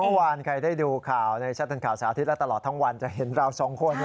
เมื่อวานใครได้ดูข่าวในชัดทางข่าวสาธิตและตลอดทั้งวันจะเห็นเราสองคน